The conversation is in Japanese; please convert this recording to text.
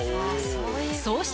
そうして